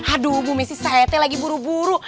aduh bu messi saya lagi buru buru